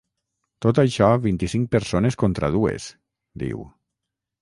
“Tot això vint-i-cinc persones contra dues”, diu.